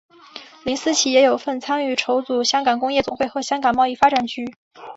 林思齐也有份参与筹组香港工业总会和香港贸易发展局。